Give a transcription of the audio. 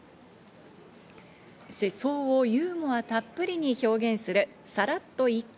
世相をユーモアたっぷりに表現する、「サラっと一句！